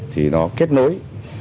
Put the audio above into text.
thì nó kết nối